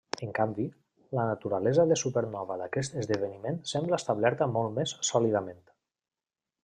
En canvi, la naturalesa de supernova d'aquest esdeveniment sembla establerta molt més sòlidament.